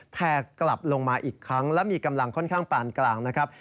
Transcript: แพร่กลับลงมาอีกครั้งและมีกำลังค่อนข้างปานกลางนะครับ